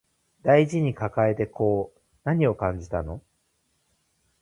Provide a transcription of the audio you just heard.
大事に抱えてこう何を感じたの